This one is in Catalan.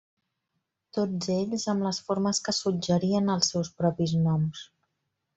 Tots ells amb les formes que suggerien els seus propis noms.